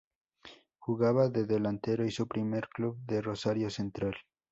Jugaba de delantero y su primer club fue Rosario Central.